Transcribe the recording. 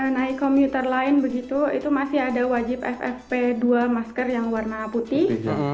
naik komuter lain begitu itu masih ada wajib ffp dua masker yang warna putih